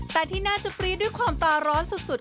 แต่ที่น่าจะปรี๊ดด้วยความตาร้อนสุด